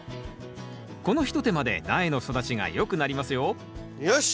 この一手間で苗の育ちがよくなりますよよし！